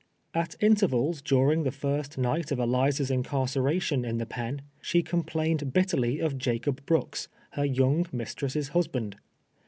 At intervals during the first niolit of Eliza's incar ceration in the pen, she complained bitterly of Jacolj nh'ooh's, her vouno mistress' hushand.